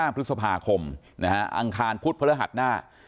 พฤษภาคมอังคารพุธพฤหัสหน้า